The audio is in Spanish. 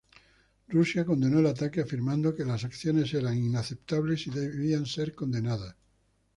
Rusia condenó el ataque, afirmando que las acciones eran "inaceptables y deben ser condenadas.